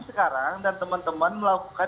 sekarang dan teman teman melakukan